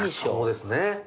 そうですね。